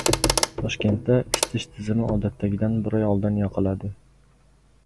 Toshkentda isitish tizimi odatdagidan bir oy oldin yoqiladi